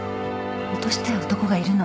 落としたい男がいるの。